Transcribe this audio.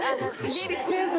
知ってるの？